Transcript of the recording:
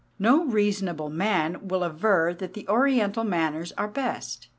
No reasonable man will aver that the Oriental manners are best.